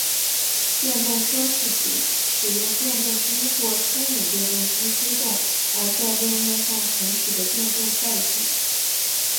电动车是指使用电动机或牵引电动机推动而在路面上行驶的电动载具。